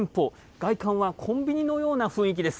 外観はコンビニのような雰囲気です。